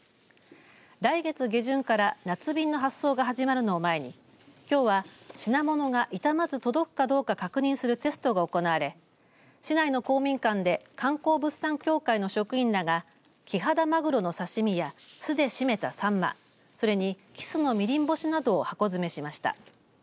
来月下旬から夏便の発送が始まるのを前にきょうは品物が痛まず届くかどうか確認するテストが行われ市内の公民館で観光物産協会の職員らがキハダマグロの刺し身や酢でしめたサンマそれに、キスのみりん干しなどを箱詰めしました。